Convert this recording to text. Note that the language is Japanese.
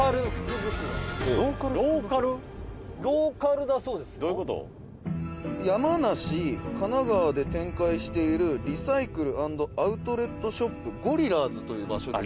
二階堂：「山梨、神奈川で展開しているリサイクル＆アウトレットショップゴリラーズという場所です」